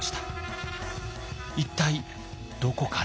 一体どこから？